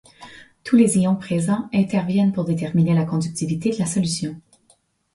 Tous les ions présents interviennent pour déterminer la conductivité de la solution.